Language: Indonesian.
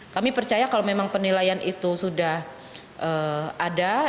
kami percaya kalau memang penilaian itu sudah ada